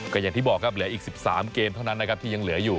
ก็อย่างที่บอกครับเหลืออีก๑๓เกมเท่านั้นนะครับที่ยังเหลืออยู่